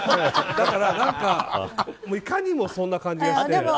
だからいかにもそんな感じがして。